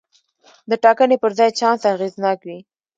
د ټاکنې پر ځای چانس اغېزناک وي.